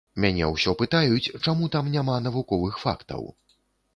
Мяне ўсё пытаюць, чаму там няма навуковых фактаў.